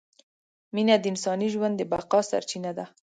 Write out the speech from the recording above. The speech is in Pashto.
مینه د انساني ژوند د بقاء سرچینه ده!